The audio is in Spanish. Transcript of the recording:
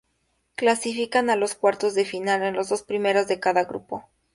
Clasifican a los cuartos de final los dos primeras de cada grupo.